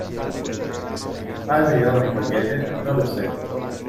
¿ Ha llegado mi paquete? No lo sé.